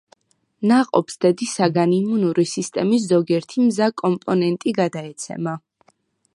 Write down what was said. ნაყოფს დედისაგან იმუნური სისტემის ზოგიერთი მზა კომპონენტი გადაეცემა.